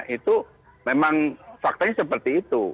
itu memang faktanya seperti itu